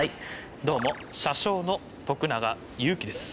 どうも車掌の徳永ゆうきです。